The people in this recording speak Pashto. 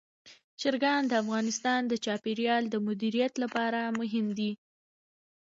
چرګان د افغانستان د چاپیریال د مدیریت لپاره مهم دي.